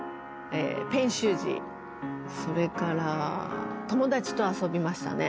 ペン習字それから友達と遊びましたね。